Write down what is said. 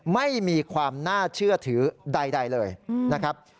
ไม่มีความน่าเชื่อถือใดเลยนะครับ